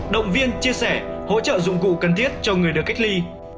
động viên chia sẻ hỗ trợ dụng cụ cần thiết cho người được cách ly